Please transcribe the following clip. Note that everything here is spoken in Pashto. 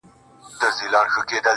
د مسجد لوري، د مندر او کلیسا لوري